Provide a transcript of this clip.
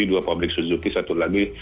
satu lagi malam ini sedang kita pelajari